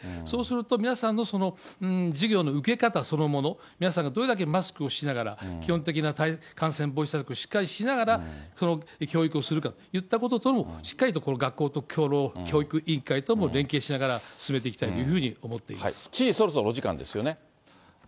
そうすると、皆さんの授業の受け方そのもの、皆さんがどれだけマスクをしながら、基本的な感染防止策をしっかりしながら、教育をするかといったようなことも、しっかりとこの学校と教育委員会とも連携しながら、進めていきた知事、そろそろお時間ですよね。